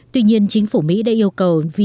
tuy nhiên chính phủ mỹ đã yêu cầu vidya ngừng xuất